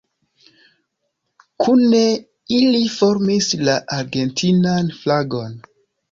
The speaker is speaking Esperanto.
Kune ili formis la argentinan flagon.